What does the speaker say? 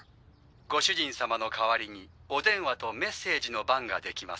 ご主人様の代わりにお電話とメッセージの番ができます。